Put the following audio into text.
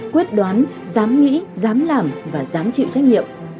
quyết đoán dám nghĩ dám làm và dám chịu trách nhiệm